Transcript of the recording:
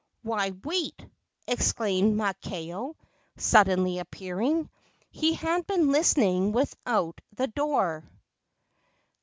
"Why wait?" exclaimed Maakao, suddenly appearing. He had been listening without the door.